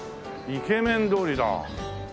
イケメン通りだ。